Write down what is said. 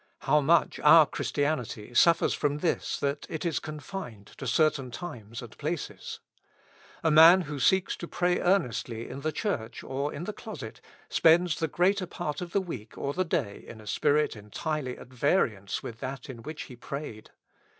How much our Christianity suffers from this, that it is confined to certain times and places ? A man who seeks to pray earnestly in the church or in the closet, spends the greater part of the 19 With Christ in the School of Prayer. week or the day in a spirit entirely at variance with that in which he prayed.